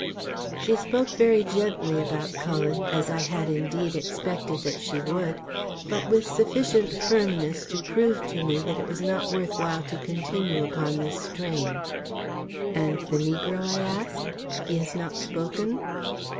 She spoke very gently about Cullen, as I had indeed expected that she would, but with sufficient firmness to prove to me that it was not worth while to continue upon this strain. "And the negro?" I asked. "He has not spoken?"